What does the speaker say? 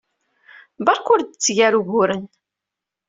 Beṛka ur d-tteg ara uguren.